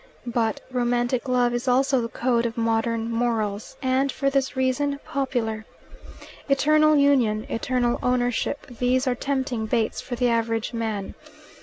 But romantic love is also the code of modern morals, and, for this reason, popular. Eternal union, eternal ownership these are tempting baits for the average man.